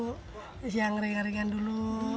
terus yang ringan ringan dulu